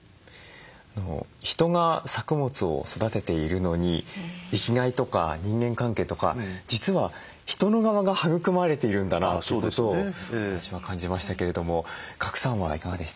人が作物を育てているのに生きがいとか人間関係とか実は人の側が育まれているんだなということを私は感じましたけれども賀来さんはいかがでしたか？